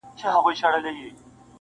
دا له کومه کوه قافه را روان یې -